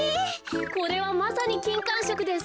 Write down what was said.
これはまさにきんかんしょくです。